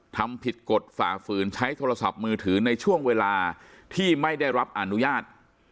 ทำผิดกฎฝ่าฝืนใช้โทรศัพท์มือถือในช่วงเวลาที่ไม่ได้รับอนุญาต